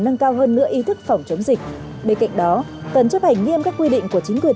nâng cao hơn nữa ý thức phòng chống dịch bên cạnh đó cần chấp hành nghiêm các quy định của chính quyền